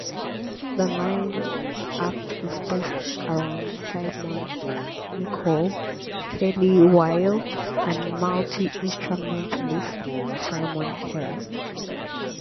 The line-up is based around Simon Nicol, Kellie While and multi-instrumentalist Simon Care.